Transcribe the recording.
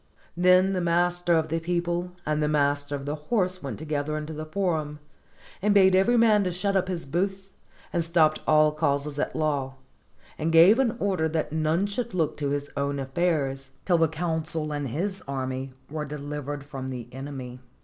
Then the master of the people and the master of the horse went together into the forum, and bade every man to shut up his booth, and stopped all causes at law, and gave an order that none should look to his own affairs till the consul and his army were dehvered from the enemy.